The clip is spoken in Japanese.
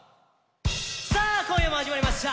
さあ今夜も始まりました！